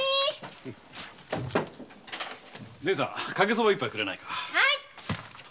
ねえさんかけそばくれないか。